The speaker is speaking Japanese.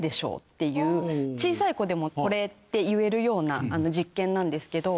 っていう小さい子でも「これ」って言えるような実験なんですけど。